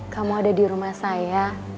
kamu ada di rumah saya